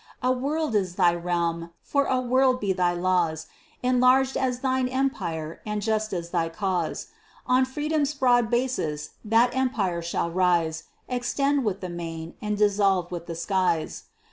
A world is thy realm; for a world be thy laws, Enlarged as thine empire, and just as thy cause; On Freedom's broad basis, that empire shall rise, Extend with the main, and dissolve with the skies.